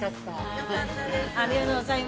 よかったです。